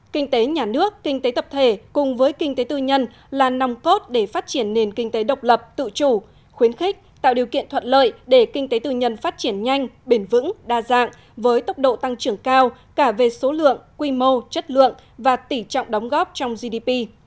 kinh tế nhà nước kinh tế tập thể cùng với kinh tế tư nhân là nòng cốt để phát triển nền kinh tế độc lập tự chủ khuyến khích tạo điều kiện thuận lợi để kinh tế tư nhân phát triển nhanh bền vững đa dạng với tốc độ tăng trưởng cao cả về số lượng quy mô chất lượng và tỉ trọng đóng góp trong gdp